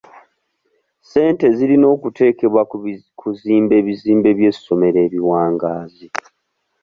Ssente zirina okuteekebwa ku kuzimba ebizimbe by'essomero ebiwangaazi.